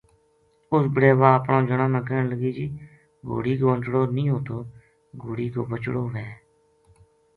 اُس بِڑے واہ اپنا جنا نا کہن لگی جی گھوڑی کو انٹڑو نہیہ ہوتو گھوڑی کو بَچڑو ہوے